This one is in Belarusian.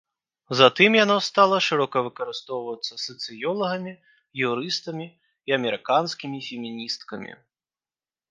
Затым яно стала шырока выкарыстоўвацца сацыёлагамі, юрыстамі і амерыканскімі феміністкамі.